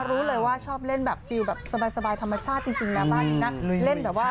รู้เลยว่าชอบเล่นฟิลแบบสบายธรรมชาติจริงแหละน้าฮะ